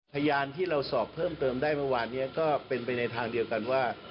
พยานที่เราสอบเพิ่มเติมได้เมื่อวานนี้ก็เป็นไปในทางเดียวกันว่า